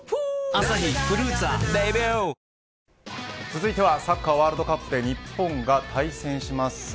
続いてはサッカーワールドカップで日本が対戦する